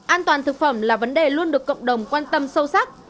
an toàn thực phẩm là vấn đề luôn được cộng đồng quan tâm sâu sắc